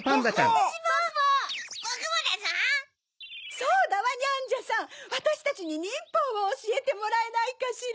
そうだわニャンジャさんわたしたちににんぽうをおしえてもらえないかしら？